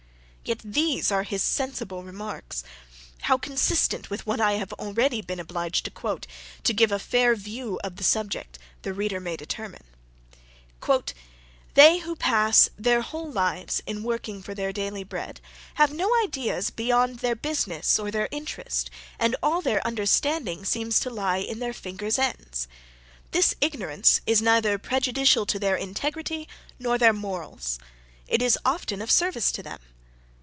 Yet these are his sensible remarks; how consistent with what I have already been obliged to quote, to give a fair view of the subject, the reader may determine. "They who pass their whole lives in working for their daily bread, have no ideas beyond their business or their interest, and all their understanding seems to lie in their fingers' ends. This ignorance is neither prejudicial to their integrity nor their morals; it is often of service to them.